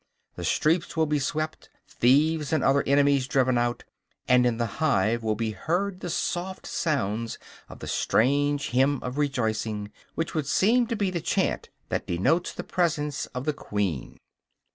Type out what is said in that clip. The streets will be swept, thieves and other enemies driven out, and in the hive will be heard the soft sounds of the strange hymn of rejoicing, which would seem to be the chant that denotes the presence of the queen.